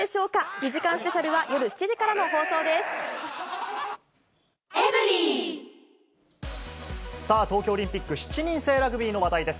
２時間スペシャルは夜７時からの東京オリンピック、７人制ラグビーの話題です。